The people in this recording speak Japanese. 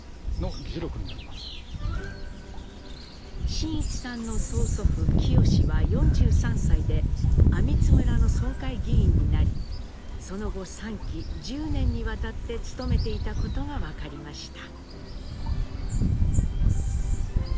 真一さんの曽祖父喜吉は４３歳で網津村の村会議員になりその後３期１０年にわたって務めていたことが分かりました。